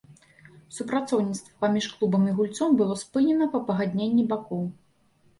Супрацоўніцтва паміж клубам і гульцом было спынена па пагадненні бакоў.